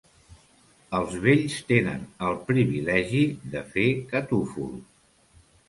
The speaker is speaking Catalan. Els vells tenen el privilegi de fer catúfols.